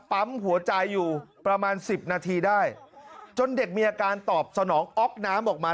ปั๊มหัวใจอยู่ประมาณสิบนาทีได้จนเด็กมีอาการตอบสนองอ๊อกน้ำออกมา